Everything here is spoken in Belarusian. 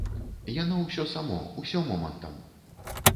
Яно ўсё само, усё момантам.